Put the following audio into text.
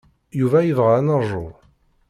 Yuba yebɣa ad neṛju.